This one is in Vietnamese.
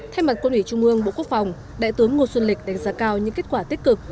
thay mặt quân ủy trung ương bộ quốc phòng đại tướng ngô xuân lịch đánh giá cao những kết quả tích cực